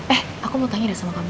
eh aku mau tanya deh sama kamu